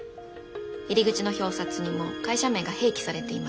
入り口の表札にも会社名が併記されていました。